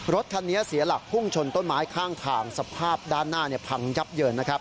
รถคันนี้เสียหลักพุ่งชนต้นไม้ข้างทางสภาพด้านหน้าพังยับเยินนะครับ